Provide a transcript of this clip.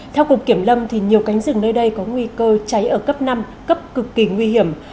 theo cục kiểm lâm nhiều cánh rừng nơi đây có nguy cơ cháy ở cấp năm cấp cực kỳ nguy hiểm